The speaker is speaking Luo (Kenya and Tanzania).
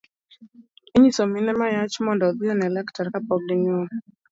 Inyiso mine ma yach mondo odhi one laktar kapok ginyuol.